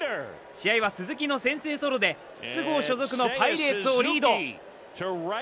試合は鈴木の先制ゴロで、筒香所属のパイレーツをリード。